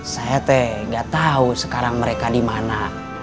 saya teh gak tau sekarang mereka dimana